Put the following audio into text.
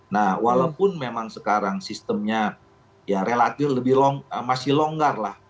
nah walaupun memang sekarang sistemnya relatif masih longgar lah